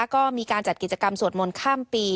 ก็มีการจัดกิจกรรมสวดมนต์ข้ามปี